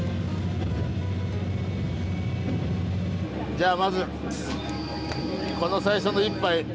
じゃあまずこの最初の１杯。